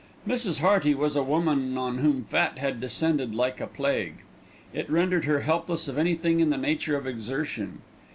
Mrs. Hearty was a woman on whom fat had descended like a plague. It rendered her helpless of anything in the nature of exertion.